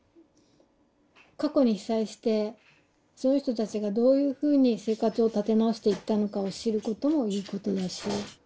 過去に被災してその人たちがどういうふうに生活を立て直していったのかを知ることもいいことだし。